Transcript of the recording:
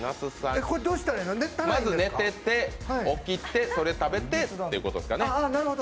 まず寝て、起きて、それを食べてってことですね。